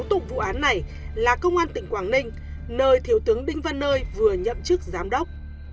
tụ vụ án này là công an tỉnh quảng ninh nơi thiếu tướng đinh văn nơi vừa nhậm chức giám đốc